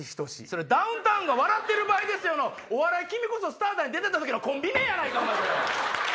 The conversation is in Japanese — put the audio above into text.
それダウンタウンが『笑ってる場合ですよ！』の「お笑い君こそスターだ！」に出てた時のコンビ名やないか！